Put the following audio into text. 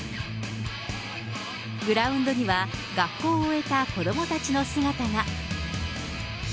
グラウンドには学校を終えた子どもたちの姿が。